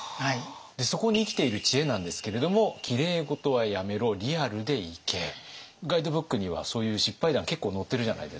そこに生きている知恵なんですけれどもガイドブックにはそういう失敗談結構載ってるじゃないですか。